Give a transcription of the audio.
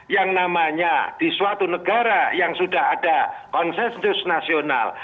yang namanya di suatu negara yang sudah ada konsensus nasional